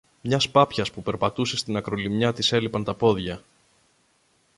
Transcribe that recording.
Μιας πάπιας που περπατούσε στην ακρολιμνιά της έλειπαν τα πόδια